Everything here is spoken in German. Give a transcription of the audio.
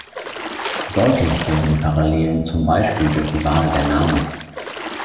Deutlich werden die Parallelen zum Beispiel durch die Wahl der Namen.